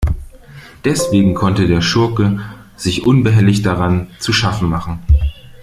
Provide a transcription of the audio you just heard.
Deswegen konnte der Schurke sich unbehelligt daran zu schaffen machen.